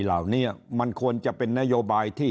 เหล่านี้มันควรจะเป็นนโยบายที่